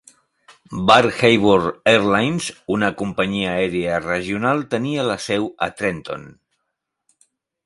Bar Harbour Airlines, una companyia aèria regional, tenia la seu a Trenton.